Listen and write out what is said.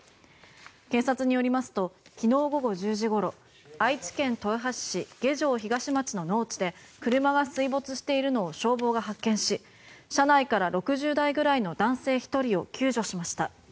警察によりますと昨日午後１０時ごろ愛知県豊橋市下条東町の農地で車が水没しているのを消防が発見し車内から６０代ぐらいの男性１人を救助しました。